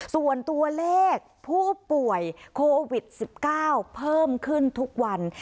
ส่วนตัวเลขผู้ป่วยโควิด๑๙เพิ่มขึ้นทุกวัน